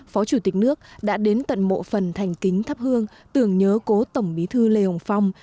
phó chủ tịch nước đã đến tận mộ phần thành kính thắp hương tưởng nhớ cố tổng bí thư lê hồng phong